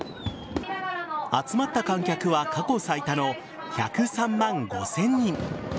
集まった観客は過去最多の１０３万５０００人。